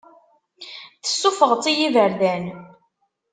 Tessufɣeḍ-tt i yiberdan.